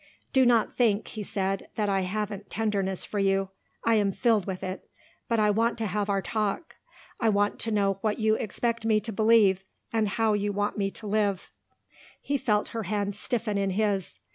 "Do not think," he said, "that I haven't tenderness for you. I am filled with it. But I want to have our talk. I want to know what you expect me to believe and how you want me to live." He felt her hand stiffen in his.